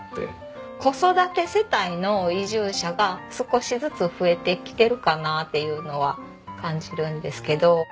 子育て世帯の移住者が少しずつ増えてきてるかなっていうのは感じるんですけど。